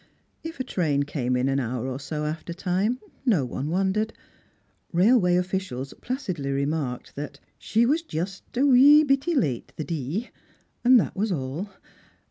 If a train came in an hour or so after time, no one wondered. Railway officials jilacidly remarked that " she was ioost a wee bittie late the dee," and that was all.